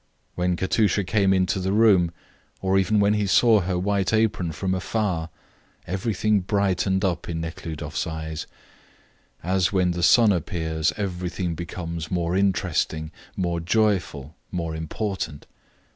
When Katusha came into the room, or even when he saw her white apron from afar, everything brightened up in Nekhludoff's eyes, as when the sun appears everything becomes more interesting, more joyful, more important.